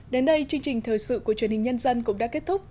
đến đây chương trình thời sự của truyền hình nhân dân cũng đã kết thúc